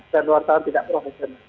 dan wartawan tidak profesional